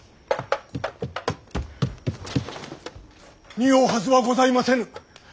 におうはずはございませぬ。